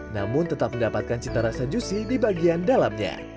namun tetap mendapatkan cita rasa juicy di bagian dalamnya